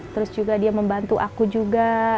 terus juga dia membantu aku juga